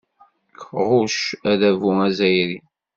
Ɣucc adabu azzayri.